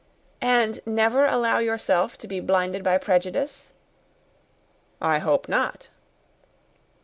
"And never allow yourself to be blinded by prejudice?" "I hope not."